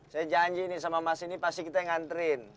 saya janji nih sama mas ini pasti kita yang nganterin